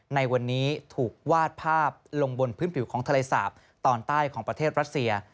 ในวันนี้ถูกวาดภาพลงบนพื้นผิวของทะเลสาปตอนใต้ของประเทศรัสเซีย